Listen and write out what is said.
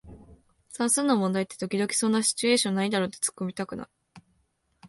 算数の問題文って時々そんなシチュエーションないだろってツッコミたくなる